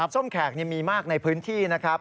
ส้มแขกมีมากในพื้นที่นะครับ